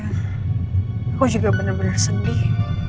aku juga bener bener sedih